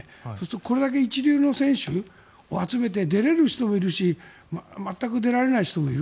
これだけ一流の選手を集めて出れる人もいるし全く出られない人もいる。